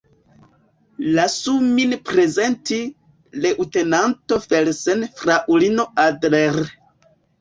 Lasu min prezenti: leŭtenanto Felsen fraŭlino Adler.